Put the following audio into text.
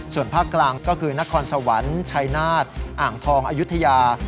ส่วนภาคกลางก็คือนครสวรรค์ชัยนาฏอ่างทองอายุทยา